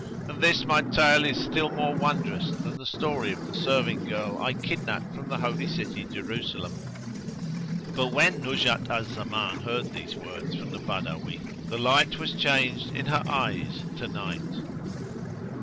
And this my tale is still more wondrous than the story of the serving girl I kidnapped from the Holy City, Jerusalem. But when Nuzhat al Zaman heard these words from the Badawi, the light was changed in her eyes to night.